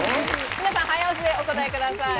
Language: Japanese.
皆さん早押しでお答えください。